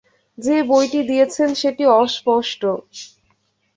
যে বইটি দিয়েছেন সেটি অস্পষ্ট।